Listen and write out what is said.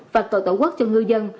và tội tổ quốc cho ngư dân